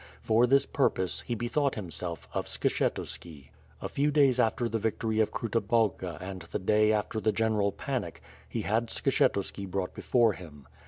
For this purpose he be thought himself of Skshetuski. A few days after the victory of* Kruta Balka and the day after the general panic, he had Skshetuski brought before him.